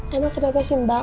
emang kenapa sih mbak